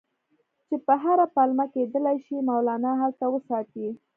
چې په هره پلمه کېدلای شي مولنا هلته وساتي.